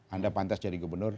anda pantas jadi gubernur